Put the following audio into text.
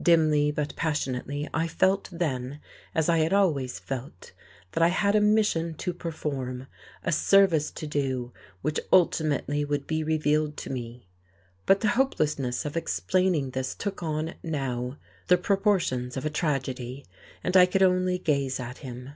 Dimly but passionately I felt then, as I had always felt, that I had a mission to perform, a service to do which ultimately would be revealed to me. But the hopelessness of explaining this took on, now, the proportions of a tragedy. And I could only gaze at him.